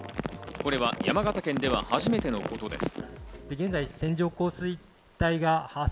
これは山形県では初めてのことです。